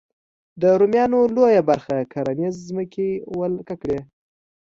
د رومیانو لویه برخه کرنیزې ځمکې ولکه کړې.